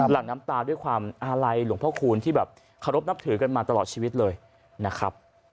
หลังน้ำตาด้วยความอาลัยหลวงพ่อคูณที่แบบเคารพนับถือกันมาตลอดชีวิตเลยนะครับ